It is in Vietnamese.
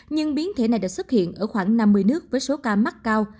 nhưng biến thể này đã xuất hiện ở khoảng năm mươi nước với số ca mắc cao